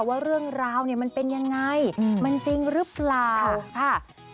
ว่าเรื่องราวเนี่ยมันเป็นยังไงมันจริงหรือเปล่าค่ะ